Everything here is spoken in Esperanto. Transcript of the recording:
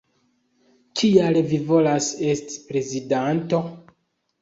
Kial vi volas esti prezidanto?